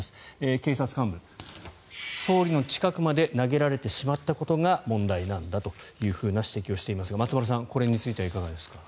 警察幹部総理の近くまで投げられてしまったことが問題なんだというふうな指摘をしていますが松丸さん、これについてはいかがですか。